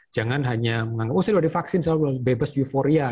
jangan hanya menganggap oh saya sudah di vaksin saya sudah bebas euforia